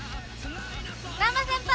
難破先輩！